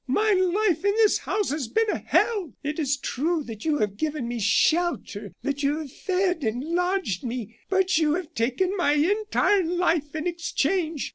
My life in this house has been a hell. It is true that you have given me shelter that you have fed and lodged me; but you have taken my entire life in exchange.